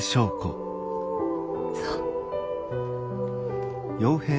そう。